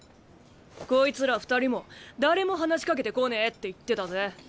こいつら２人も誰も話しかけてこねえって言ってたぜ。